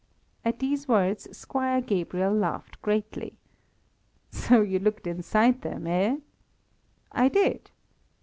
At these words, Squire Gabriel laughed greatly. "So you looked inside them, eh?" "I did."